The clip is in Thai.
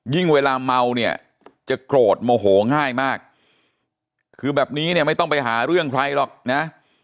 เวลาเมาเนี่ยจะโกรธโมโหง่ายมากคือแบบนี้เนี่ยไม่ต้องไปหาเรื่องใครหรอกนะ